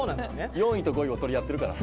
４位と５位を取り合ってるから。